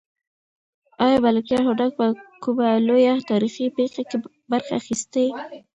آیا ملکیار هوتک په کومه لویه تاریخي پېښه کې برخه اخیستې؟